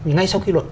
ngay sau khi luật